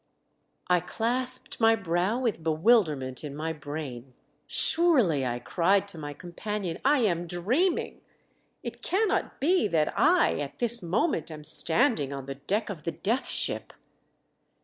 I clasped my brow with bewilderment in my brain. " Surely," I cried to my companion, " I am dreaming. It cannot be that I at this moment am standing on the deck of the Death Ship